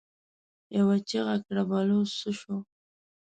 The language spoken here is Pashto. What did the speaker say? يوه چيغه کړه: بلوڅ څه شو؟